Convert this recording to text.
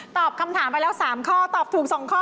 ตอบคำถามไปแล้ว๓ข้อตอบถูก๒ข้อ